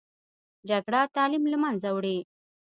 جګړه تعلیم له منځه وړي